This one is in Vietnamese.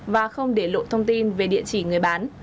và không để lộ thông tin về địa chỉ người bán